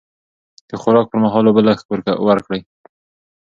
د خوراک پر مهال اوبه لږ ورکړئ.